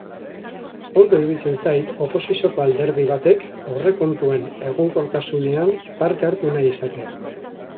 Ondo iruditzen zait oposizioko alderdi batek aurrekontuen egonkortasunean parte hartu nahi izatea.